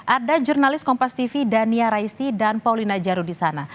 ada jurnalis kompas tv dania raisti dan paulina jarudisana